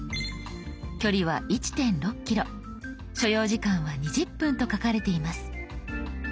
距離は１．６ｋｍ所要時間は２０分と書かれています。